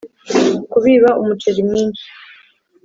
- kubiba umuceri mwinshi ,